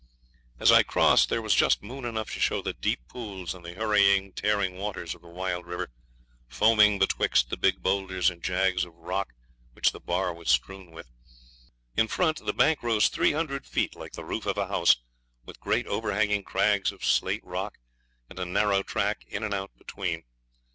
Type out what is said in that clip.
As I crossed there was just moon enough to show the deep pools and the hurrying, tearing waters of the wild river, foaming betwixt the big boulders and jags of rock which the bar was strewed with. In front the bank rose 300 feet like the roof of a house, with great overhanging crags of slate rock, and a narrow track in and out between.